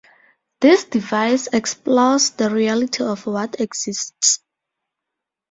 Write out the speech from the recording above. This device explores the reality of what exists.